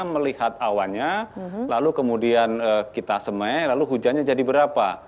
melihat awannya lalu kemudian kita semai lalu hujannya jadi berapa